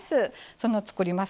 その作ります